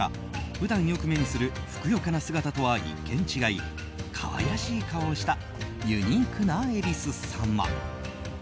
普段よく目にするふくよかな姿とは一見違い可愛らしい顔をしたユニークなえびす様。